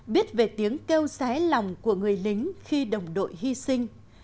biết về tiếng kêu xé lòng của người lính khi đồng đội hy sinh